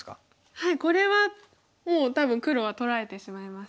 はいこれはもう多分黒は取られてしまいました。